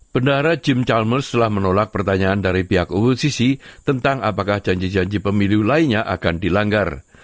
pendahara jim chalmers telah menolak pertanyaan dari pihak osc tentang apakah janji janji pemiliu lainnya akan dilanggar